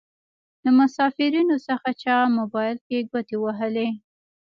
له مسافرينو څخه چا موبايل کې ګوتې وهلې.